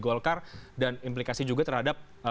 golkar dan implikasi juga terhadap